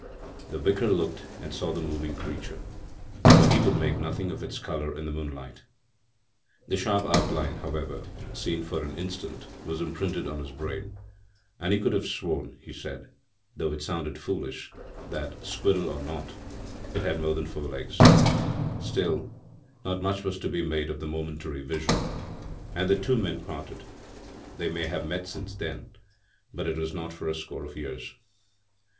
The Vicar looked and saw the moving creature, but he could make nothing of its colour in the moonlight. The sharp outline, however, seen for an instant, was imprinted on his brain, and he could have sworn, he said, though it sounded foolish, that, squirrel or not, it had more than four legs. Still, not much was to be made of the momentary vision, and the two men parted. They may have met since then, but it was not for a score of years.